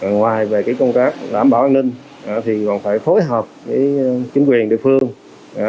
ngoài về công tác đảm bảo an ninh thì còn phải phối hợp với chính quyền địa phương